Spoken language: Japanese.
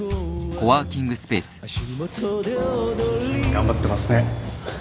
頑張ってますね。